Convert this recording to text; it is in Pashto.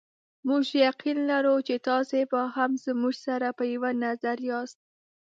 موږ یقین لرو چې تاسې به هم زموږ سره په یوه نظر یاست.